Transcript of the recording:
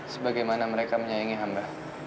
sebagaimana mereka menyayangi hamba